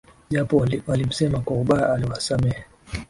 Japo walimsema kwa ubaya aliwasamehe.